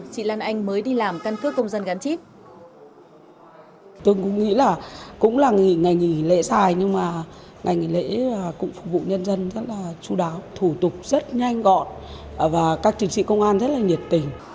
chị lan anh mới đi làm căn cước công dân gắn chip